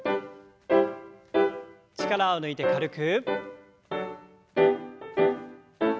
力を抜いて軽く。